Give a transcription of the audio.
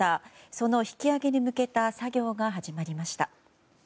その引き揚げに向けた作業が始まりました。